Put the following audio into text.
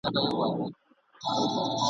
دغو ورانو خرابو کي !.